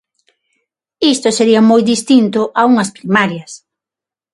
Isto sería moi distinto a unhas primarias.